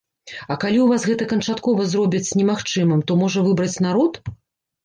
А калі ў вас гэта канчаткова зробяць немагчымым, то можа выбраць народ?